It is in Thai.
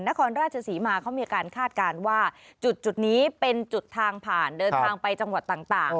นครราชศรีมาเขามีการคาดการณ์ว่าจุดนี้เป็นจุดทางผ่านเดินทางไปจังหวัดต่าง